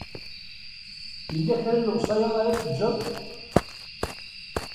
Yella kra n lewṣaya ara d-tejjeḍ?